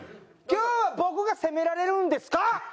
今日は僕が責められるんですか？